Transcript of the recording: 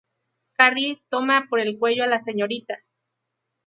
Carrie toma por el cuello a la Srta.